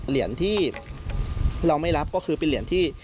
เหรียญที่เราไม่รับก็คือเป็นเหรียญที่